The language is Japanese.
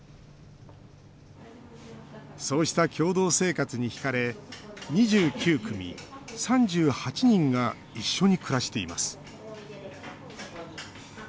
そうした共同生活に引かれ２９組３８人が一緒に暮らしています。